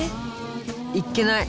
いっけない！